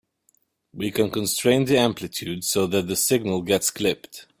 We can constrain the amplitude so that the signal gets clipped.